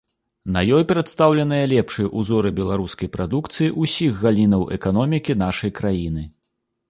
На ёй прадстаўленыя лепшыя ўзоры беларускай прадукцыі ўсіх галінаў эканомікі нашай краіны.